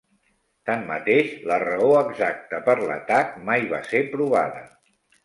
Tanmateix la raó exacta per l'atac mai va ser provada.